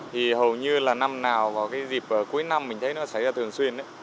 thì hầu như là năm nào vào cái dịp cuối năm mình thấy nó xảy ra thường xuyên